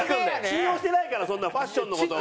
信用してないからそんなファッションの事。